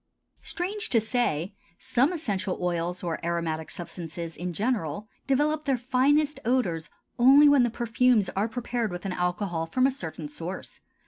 Strange to say, some essential oils or aromatic substances in general, develop their finest odors only when the perfumes are prepared with an alcohol from a certain source.